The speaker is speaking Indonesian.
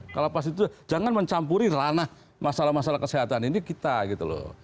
kalapas itu jangan mencampuri ranah masalah masalah kesehatan ini kita gitu loh